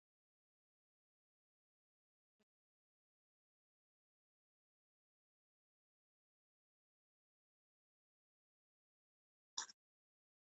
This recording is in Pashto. د هر انسان درد نورو انسانانو ته انتقالیږي.